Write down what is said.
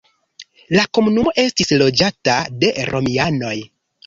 La komunumo estis loĝata de romianoj.